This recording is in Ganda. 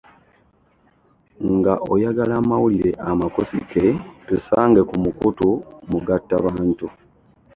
Nga oyagala amawulire amakusike tusange ku mukutu mugattabantu.